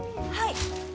はい。